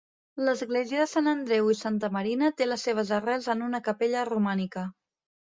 L'església de Sant Andreu i Santa Marina té les seves arrels en una capella romànica.